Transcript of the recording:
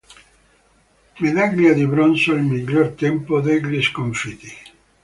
Medaglia di bronzo al miglior tempo degli sconfitti.